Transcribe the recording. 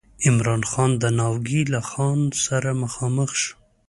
عمرا خان د ناوګي له خان سره مخامخ شو.